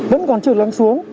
vẫn còn chưa lắng xuống